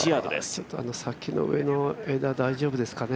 ちょっと先の上の枝、大丈夫ですかね。